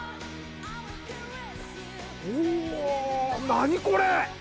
何これ！